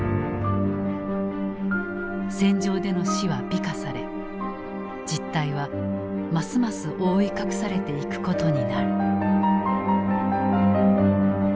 戦場での死は美化され実態はますます覆い隠されていくことになる。